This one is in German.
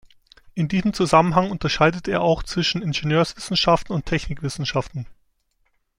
In diesem Zusammenhang unterscheidet er auch zwischen Ingenieurswissenschaften und Technikwissenschaften.